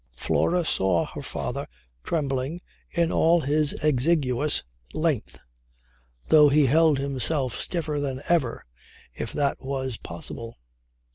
Flora saw her father trembling in all his exiguous length, though he held himself stiffer than ever if that was possible.